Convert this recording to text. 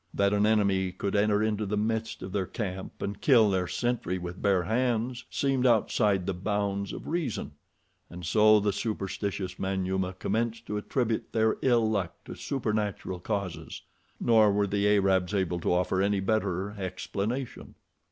That an enemy could enter into the midst of their camp and kill their sentry with bare hands seemed outside the bounds of reason, and so the superstitious Manyuema commenced to attribute their ill luck to supernatural causes; nor were the Arabs able to offer any better explanation.